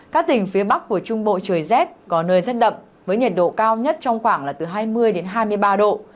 các tỉnh phía bắc của trung bộ trời rét có nơi rét đậm với nhiệt độ cao nhất trong khoảng là từ hai mươi hai mươi ba độ